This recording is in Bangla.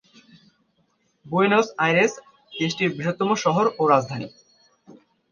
বুয়েনোস আইরেস দেশটির বৃহত্তম শহর ও রাজধানী।